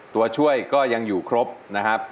ตัวช่วยก็ยังอยู่ครบนะครับ